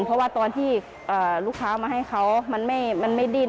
เพราะว่าตอนที่ลูกค้ามาให้เขามันไม่ดิ้น